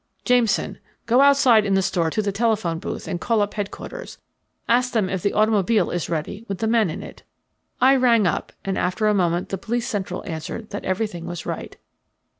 '" "Jameson, go outside in the store to the telephone booth and call up headquarters. Ask them if the automobile is ready, with the men in it." I rang up, and after a moment the police central answered that everything was right.